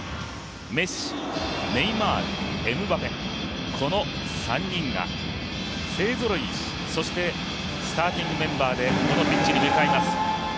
メッシ、ネイマール、エムバペ、この３人が勢ぞろい、そしてスターティングメンバーでこのピッチに向かいます。